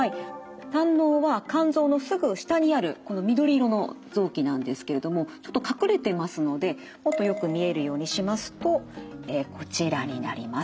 胆のうは肝臓のすぐ下にあるこの緑色の臓器なんですけれどもちょっと隠れてますのでもっとよく見えるようにしますとこちらになります。